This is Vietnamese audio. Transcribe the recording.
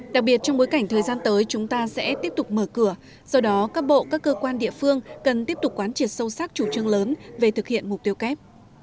đặc biệt trong bối cảnh thời gian tới chúng ta sẽ tiếp tục mở cửa do đó các bộ các cơ quan địa phương cần tiếp tục quán triệt sâu sắc chủ trương lớn về thực hiện mục tiêu kép